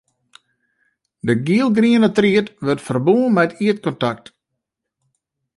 De gielgriene tried wurdt ferbûn mei it ierdkontakt.